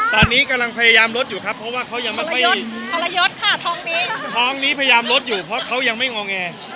ตอนนี้กำลังพยายามรดอยู่เพราะเขายังไม่กล้องแอ